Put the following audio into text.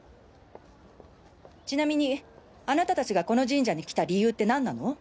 ちなみにあなた達がこの神社に来た理由って何なの？